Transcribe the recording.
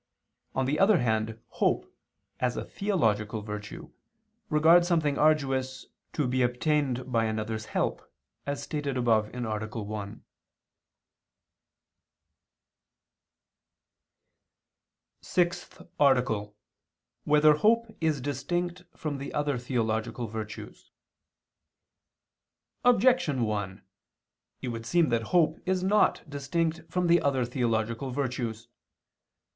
On the other hand hope, as a theological virtue, regards something arduous, to be obtained by another's help, as stated above (A. 1). _______________________ SIXTH ARTICLE [II II, Q. 17, Art. 6] Whether Hope Is Distinct from the Other Theological Virtues? Objection 1: It would seem that hope is not distinct from the other theological virtues.